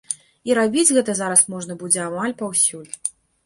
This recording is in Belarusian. І рабіць гэта зараз можна будзе амаль паўсюль.